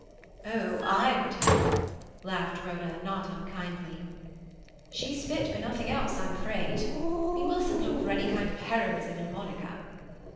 "Oh, I would help," laughed Rhoda, not unkindly. "She's fit for nothing else, I'm afraid. We mustn't look for any kind of heroism in Monica."